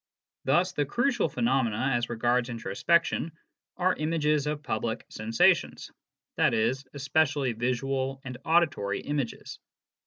Thus the crucial phenomena as regards introspection are images of public sensations, i.e., especially visual and auditory images.